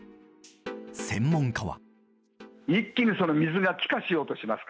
専門家は。